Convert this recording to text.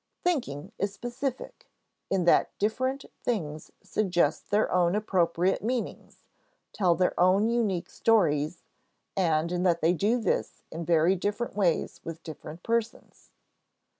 Thinking is specific, in that different things suggest their own appropriate meanings, tell their own unique stories, and in that they do this in very different ways with different persons.